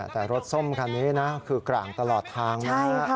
แต่รถส้มคันนี้นะคือกลางตลอดทางนะฮะ